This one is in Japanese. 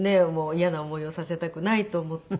嫌な思いをさせたくないと思って。